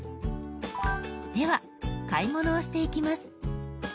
では買い物をしていきます。